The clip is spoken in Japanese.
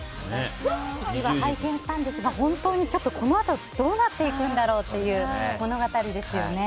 １話、拝見したんですが本当にちょっとこのあとどうなっていくんだろうっていう物語ですよね。